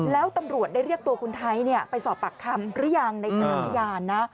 แล้วตำรวจได้เรียกตัวคุณไทยเนี่ยไปสอบปากคำรึยังในกรณญาณนะ